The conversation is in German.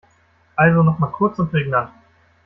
Also noch mal kurz und prägnant.